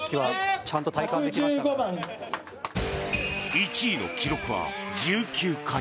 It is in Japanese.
１位の記録は１９回。